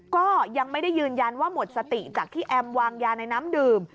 ก็ยังไม่ได้ยืนยันว่าหมดสติจากที่แอมวางยาในน้ำดื่ม